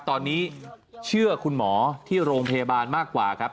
ตอนนี้เชื่อคุณหมอที่โรงพยาบาลมากกว่าครับ